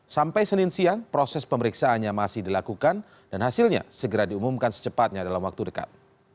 sampai senin siang proses pemeriksaannya masih dilakukan dan hasilnya segera diumumkan secepatnya dalam waktu dekat